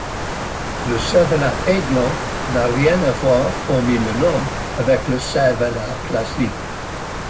Le cervelas Aiglon, n'a rien à voir, hormis le nom, avec le cervelas classique.